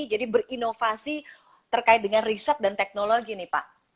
jadi berinovasi terkait dengan riset dan teknologi nih pak